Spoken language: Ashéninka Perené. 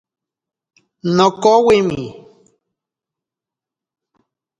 Nokowimi.